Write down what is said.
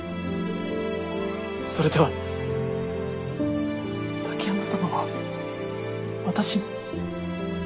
それでは滝山様は私の。